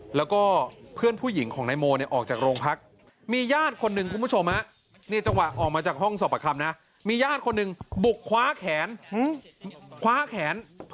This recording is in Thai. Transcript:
คว้าแขนเพื่อนหญิงของโมไปถามไปถามว่าอะไรลองฟังด้วยกันครับ